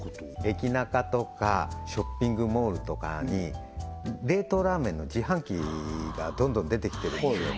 駅ナカとかショッピングモールとかに冷凍ラーメンの自販機がどんどん出てきてるんですよ